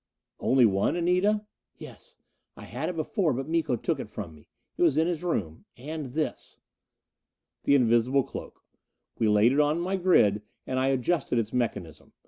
"Only one, Anita?" "Yes. I had it before, but Miko took it from me. It was in his room. And this " The invisible cloak. We laid it on my grid, and I adjusted its mechanism.